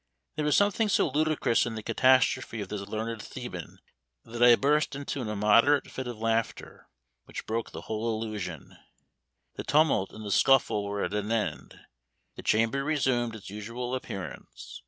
There was something so ludicrous in the catastrophe of this learned Theban that I burst into an immoderate fit of laughter, which broke the whole illusion. The tumult and the scuffle were at an end. The chamber resumed its usual appearance.